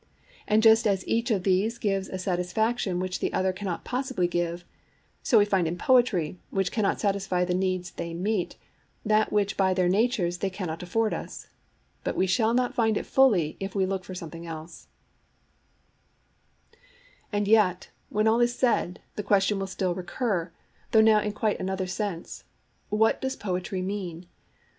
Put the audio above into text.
And just as each of these gives a satisfaction which the other cannot possibly give, so we find in poetry, which cannot satisfy the needs they meet, that which by their[Pg 31] natures they cannot afford us. But we shall not find it fully if we look for something else. THE FURTHER MEANING OF POETRY And yet, when all is said, the question will still recur, though now in quite another sense, What does poetry mean?